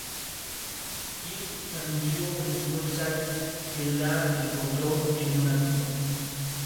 King anunció en su website que la "encontró" en un ático.